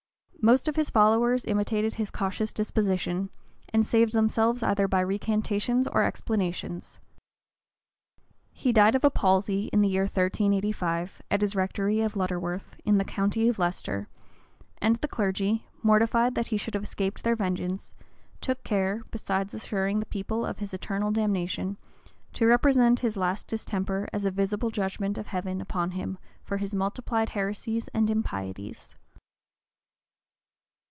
[] Most of his followers imitated his cautious disposition, and saved themselves either by recantations or explanations. He died of a palsy, in the year 1385, at his rectory of Lutterworth, in the county of Leicester; and the clergy, mortified that he should have escaped their vengeance, took care, besides assuring the people of his eternal damnation, to represent his last distemper as a visible judgment of Heaven upon him for his multiplied heresies and impieties.